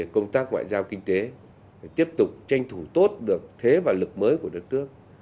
công tác ngoại giao kinh tế tiếp tục tranh thủ tốt được thế và lực mới của đất nước